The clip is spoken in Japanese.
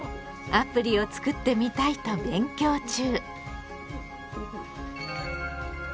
アプリをつくってみたいと勉強中。